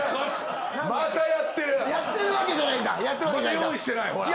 また用意してないほら。